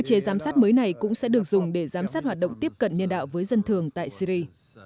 các chế giám sát mới này cũng sẽ được dùng để giám sát hoạt động tiếp cận nhân đạo với dân thường tại syri